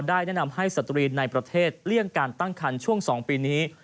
แนะนำให้สตรีในประเทศเลี่ยงการตั้งคันช่วง๒ปีนี้